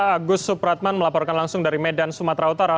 agus supratman melaporkan langsung dari medan sumatera utara